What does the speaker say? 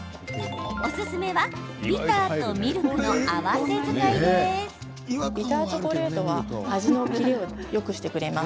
おすすめはビターとミルクの合わせ使いです。